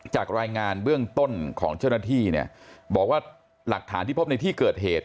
จากรายงานเบื้องต้นของเจ้าหน้าที่เนี่ยบอกว่าหลักฐานที่พบในที่เกิดเหตุ